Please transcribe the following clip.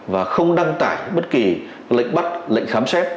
và không đăng tải bất kỳ lệnh bắt lệnh khám xét